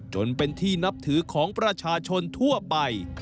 จนเป็นที่นับถือของประชาชนทั่วไป